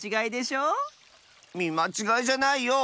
みまちがいじゃないよ。